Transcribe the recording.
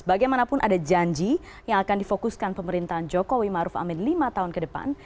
bagaimanapun ada janji yang akan difokuskan pemerintahan jokowi maruf amin lima tahun ke depan